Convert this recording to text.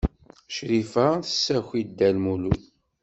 Crifa tessaki-d Dda Lmulud.